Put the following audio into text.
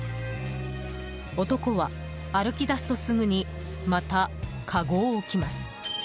男は歩き出すとすぐにまた、かごを置きます。